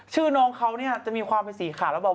ชื่อน้องเขาเนี่ยจะมีความสีขาดแล้วเบา